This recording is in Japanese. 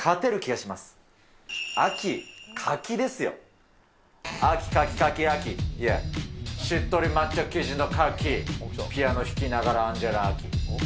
しっとり抹茶生地の柿、ピアノ弾きながら、アンジェラ・アキ。